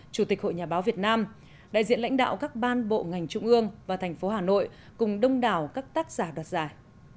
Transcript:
chủ tịch hội nhà báo việt nam đại diện lãnh đạo các ban bộ ngành trung ương và thành phố hà nội cùng đông đảo các tác giả đoạt giải